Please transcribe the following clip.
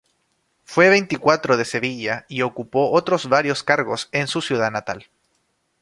Fue veinticuatro de Sevilla y ocupó otros varios cargos en su ciudad natal.